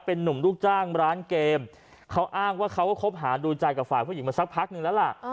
เป็นนุ่มลูกจ้างร้านเกมเขาอ้างว่าเขาก็คบหาดูใจกับฝ่ายผู้หญิงมาสักพักนึงแล้วล่ะ